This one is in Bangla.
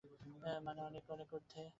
মানে, অনেক অনেক ঊর্ধ্বে।